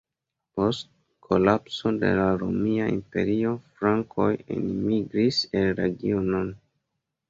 Post kolapso de la Romia Imperio frankoj enmigris en la regionon.